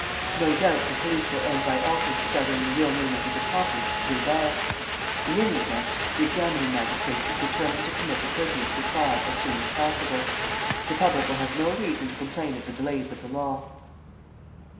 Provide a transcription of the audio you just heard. "No doubt, the police will end by also discovering the real name of his accomplice, Gilbert. In any event, the examining magistrate is determined to commit the prisoners for trial as soon as possible. "The public will have no reason to complain of the delays of the law."